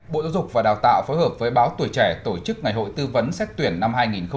bộ giáo dục và đào tạo phối hợp với báo tuổi trẻ tổ chức ngày hội tư vấn xét tuyển năm hai nghìn hai mươi